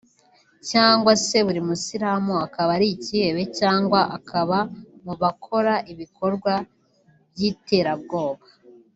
cyangwa se buri muyisilamu akaba ari icyihebe cyangwa akaba mu bakora ibikorwa by’iterabwoba